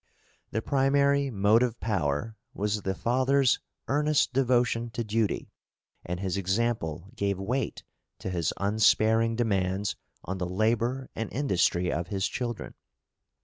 The primary motive power was the father's earnest devotion to duty, and his example gave weight to his unsparing demands on the labour and industry of his children.